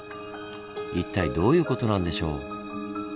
一体どういう事なんでしょう？